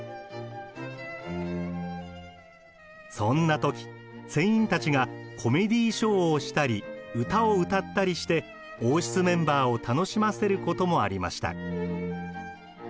そんな時船員たちがコメディーショーをしたり歌を歌ったりして王室メンバーを楽しませることもありました。